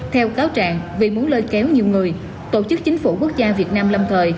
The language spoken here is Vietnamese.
theo cáo trạng vì muốn lôi kéo nhiều người tổ chức chính phủ quốc gia việt nam lâm thời